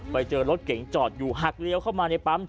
ไปเจอรถเก๋งจอดอยู่หักเลี้ยวเข้ามาในปั๊ม